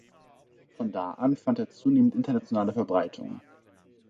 Von da an fand er zunehmend internationale Verbreitung.